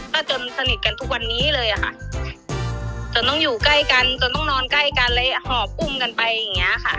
ก็จนสนิทกันทุกวันนี้เลยอะค่ะจนต้องอยู่ใกล้กันจนต้องนอนใกล้กันเลยหอบอุ้มกันไปอย่างเงี้ยค่ะ